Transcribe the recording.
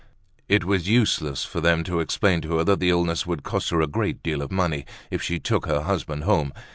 It was useless for them to explain to her that the illness would cost her a great deal of money, if she took her husband home.